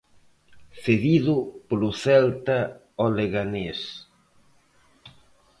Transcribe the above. Cedido polo Celta ao Leganés.